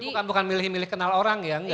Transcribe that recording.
bukan milih milih kenal orang ya